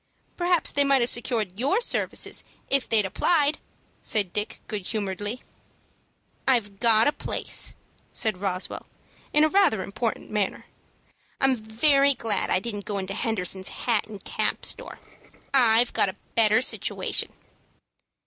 "Perhaps they might have secured your services if they had applied," said Dick, good humoredly. "I've got a place," said Roswell, in rather an important manner. "I'm very glad I didn't go into Henderson's hat and cap store. I've got a better situation."